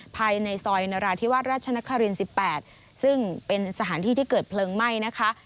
ภายในซอยนราธิวาสราชนคริน๑๘ซึ่งเป็นสถานที่ที่เกิดเพลิงไหม้นะคะ